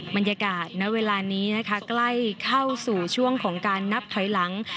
บรรยากาศณเวลานี้นะคะใกล้เข้าสู่ช่วงของการนับถอยหลัง